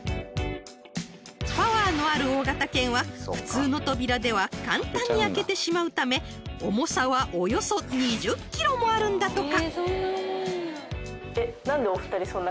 ［パワーのある大型犬は普通の扉では簡単に開けてしまうため重さはおよそ２０ｋｇもあるんだとか］